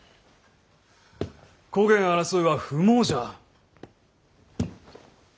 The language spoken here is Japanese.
こげん争いは不毛じゃ。